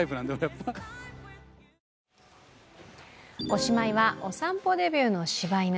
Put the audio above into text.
おしまいはお散歩デビューの柴犬。